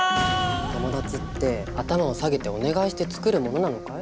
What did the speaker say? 友達って頭を下げてお願いしてつくるものなのかい？